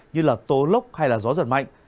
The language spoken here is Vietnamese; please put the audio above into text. như là tố lốc hay là gió giật mạnh